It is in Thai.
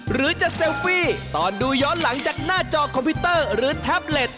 หรือจะเซลฟี่ตอนดูย้อนหลังจากหน้าจอคอมพิวเตอร์หรือแท็บเล็ต